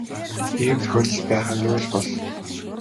Ийм тохиолдол байх нь юу л бол.